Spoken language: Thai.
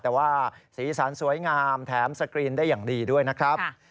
แต่ว่าสีสันสวยงามแถมสกรีนได้อย่างดีด้วยนะครับ